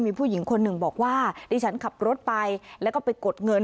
มีผู้หญิงคนหนึ่งบอกว่าดิฉันขับรถไปแล้วก็ไปกดเงิน